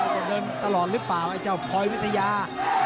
จะเดินตลอดหรือเปล่าไอ้เจ้าโผยผวศญา